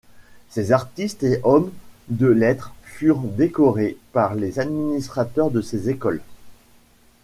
Ces artistes et hommes de lettres furent décorés par les administrateurs de ces écoles.